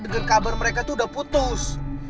dengar kabar mereka itu udah putus